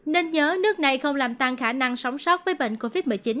nên nhớ nước này không làm tăng khả năng sống sót với bệnh covid một mươi chín